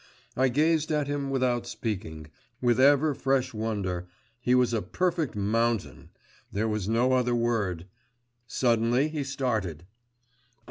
I gazed at him without speaking, with ever fresh wonder; he was a perfect mountain there was no other word! Suddenly he started.